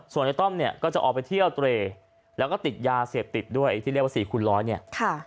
ส่วนในต้อมเนี่ยก็จะออกไปเที่ยวเตรแล้วก็ติดยาเสพติดด้วยไอ้ที่เรียกว่า๔คูณร้อยเนี่ย